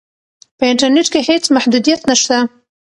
په انټرنیټ کې هیڅ محدودیت نشته.